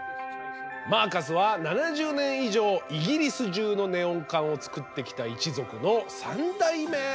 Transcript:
マーカスは７０年以上イギリス中のネオン管を作ってきた一族の３代目なのよ。